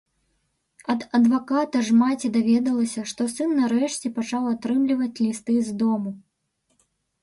Ад адваката ж маці даведалася, што сын нарэшце пачаў атрымліваць лісты з дому.